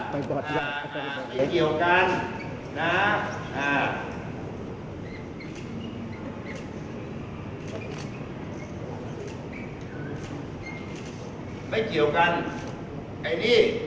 ไม่เกี่ยวกัน